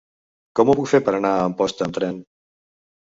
Com ho puc fer per anar a Amposta amb tren?